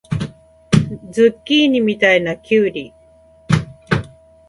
ズッキーニみたいなきゅうり